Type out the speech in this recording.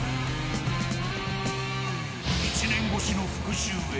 １年越しの復讐へ。